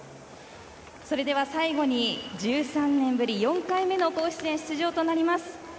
それでは最後に１３年ぶり４回目の甲子園出場となります。